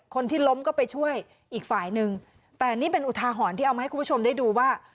คนที่ล้มก็ไปช่วยอีกฝ่ายนึงแต่นี่เป็นอุทาหรณ์ที่เอามาให้คุณผู้ชมได้ดูว่า